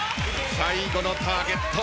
最後のターゲット。